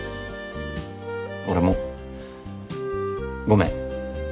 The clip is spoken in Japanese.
俺もごめん。